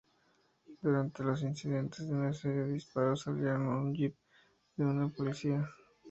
Durante los incidentes una serie de disparos salieron de un jeep de la policía.